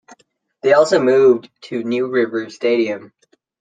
They also moved to New River Stadium.